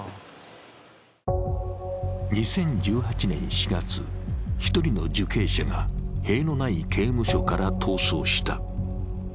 ２０１８年４月、１人の受刑者が塀のない刑務所から逃走した。